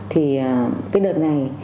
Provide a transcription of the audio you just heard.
thì cái đợt này